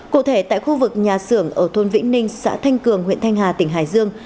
cụ thể tại khu vực nhà xưởng ở thôn vĩnh ninh xã thanh cường huyện thanh hà tỉnh hải dương